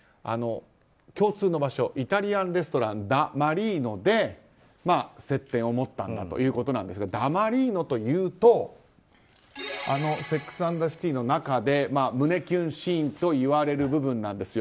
共通の場所イタリアンレストランダ・マリーノで接点を持ったんだということですがダ・マリーノというと「セックス・アンド・ザ・シティ」の中で胸キュンシーンといわれる部分なんですよ。